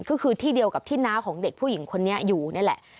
ก็คือที่เดียวกับที่น้าของเด็กผู้หญิงคนนี้อยู่นี่แหละ